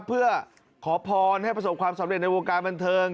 เพื่อขอพรให้ประสบความสำเร็จในวงการบันเทิง